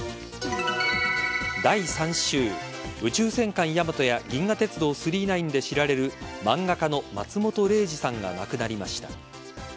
第３週「宇宙戦艦ヤマト」や「銀河鉄道９９９」で知られる漫画家の松本零士さんが亡くなりました。